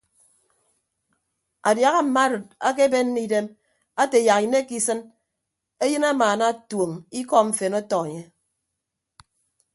Adiaha mma arịd akebenne idem ate yak inekke isịn eyịn amaana tuoñ ikọ mfen ọtọ enye.